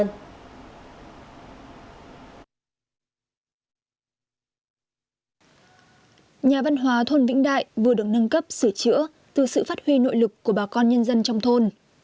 nhà văn hóa thôn vĩnh đại vừa được nâng cấp sửa chữa từ sự phát huy nội lực của bà con nhân dân trong thôn